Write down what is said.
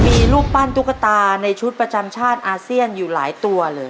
มีรูปปั้นตุ๊กตาในชุดประจำชาติอาเซียนอยู่หลายตัวเลย